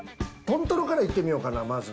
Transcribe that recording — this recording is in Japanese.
豚トロから行ってみようかなまず。